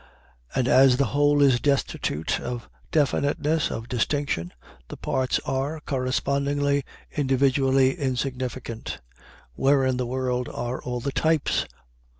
And as the whole is destitute of definiteness, of distinction, the parts are, correspondingly, individually insignificant. Where in the world are all the types?